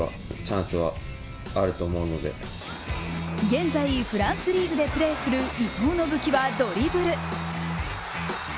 現在、フランスリーグでプレーする伊東の武器はドリブル。